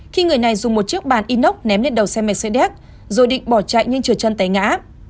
khi người này dùng một chiếc bàn inox ném lên đầu xe mercedes rồi định bỏ chạy nhưng trượt chân tay ngã